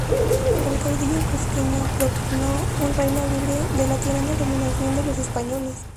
El caudillo cuzqueño propugnó un "reyno libre" de la "tirana dominación" de los españoles.